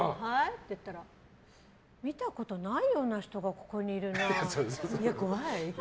って言ったら見たことないような人がここにいるなって。